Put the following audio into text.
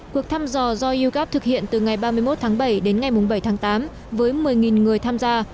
cuộc thăm dò do yogap thực hiện từ ngày ba mươi một tháng bảy đến ngày bảy tháng tám với một mươi người tham gia